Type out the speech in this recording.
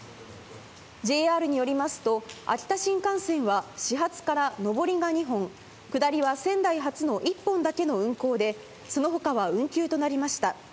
ＪＲによりますと、秋田新幹線は始発から上りが２本、下りは仙台発の１本だけの運行で、そのほかは運休となりました。